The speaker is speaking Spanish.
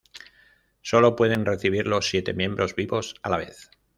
Sólo pueden recibirlo siete miembros vivos a la vez.